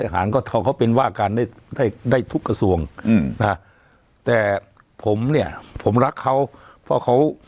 สถานที่ก็เอาเขาเป็นว่าการนะได้ทุกส่วงนะแต่ผมเนี่ยผมรักเขาเพราะเขา